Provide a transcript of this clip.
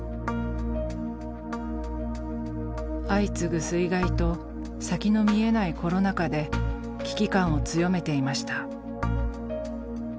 相次ぐ水害と先の見えないコロナ禍で危機感を強めていました。